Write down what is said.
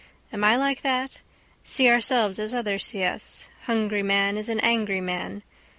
Am I like that? See ourselves as others see us. Hungry man is an angry man.